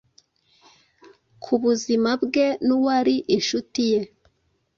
ku buzima bwe n'uwari inshuti ye